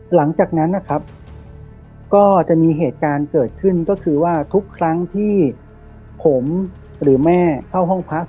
หลังจากนั้นนะครับก็จะมีเหตุการณ์เกิดขึ้นก็คือว่าทุกครั้งที่ผมหรือแม่เข้าห้องพัก